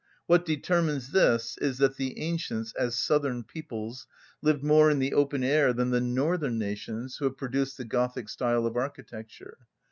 What determines this is, that the ancients, as southern peoples, lived more in the open air than the northern nations who have produced the Gothic style of architecture.